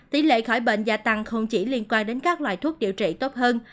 tỷ lệ khỏi bệnh gia tăng không chỉ liên quan đến các loại thuốc điều trị tốt hơn